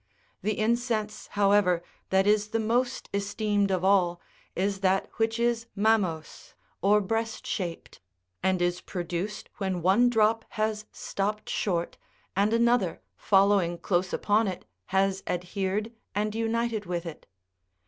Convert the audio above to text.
The incense, however, that is the most esteemed of all is that which is mammose, or breast shaped, and is produced when one drop has stopped short, and another, following close upon it, has adhered, and united with it.